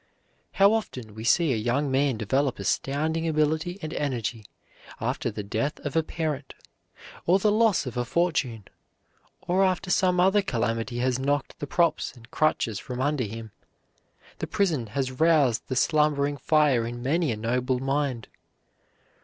How often we see a young man develop astounding ability and energy after the death of a parent, or the loss of a fortune, or after some other calamity has knocked the props and crutches from under him. The prison has roused the slumbering fire in many a noble mind.